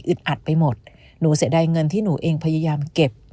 อัดไปหมดหนูเสียดายเงินที่หนูเองพยายามเก็บ